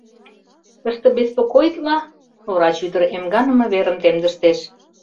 — Тыште беспокоитла? — врач ӱдыр эмганыме верым темдыштеш.